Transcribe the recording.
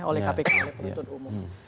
oleh kpk dan ketutup umum